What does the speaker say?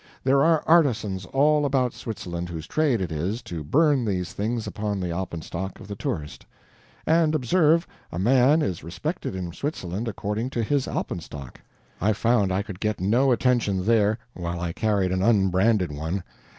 There are artisans all about Switzerland whose trade it is to burn these things upon the alpenstock of the tourist. And observe, a man is respected in Switzerland according to his alpenstock. I found I could get no attention there, while I carried an unbranded one.